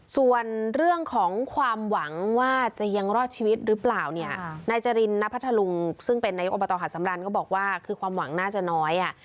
ส่วนเรื่องของความหวังว่าจะยังรอดชีวิตหรือเปล่าเนี่ย